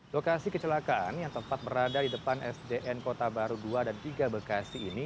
lokasi kecelakaan yang tempat berada di depan sdn kota baru dua dan tiga bekasi ini